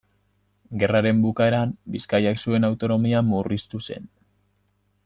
Gerraren bukaeran Bizkaiak zuen autonomia murriztu zen.